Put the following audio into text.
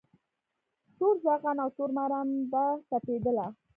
تور زاغان او تور ماران به تپېدله